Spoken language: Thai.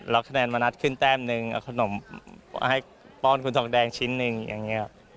แล้วคะแนนมณัฐขึ้นแต้มหนึ่งเอาขนมให้ป้อนคุณธรรมแดงชิ้นหนึ่ง